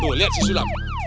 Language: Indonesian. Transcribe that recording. tuh liat si sulap